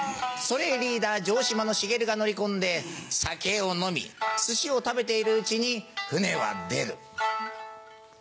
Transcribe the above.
それへリーダー城島の茂が乗り込んで酒を飲み寿司を食べているうちに船は出る。